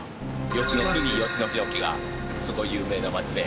吉野杉吉野桧がすごい有名な町で。